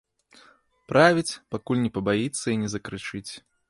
Правіць, пакуль не пабаіцца і не закрычыць.